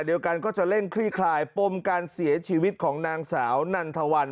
เดียวกันก็จะเร่งคลี่คลายปมการเสียชีวิตของนางสาวนันทวัน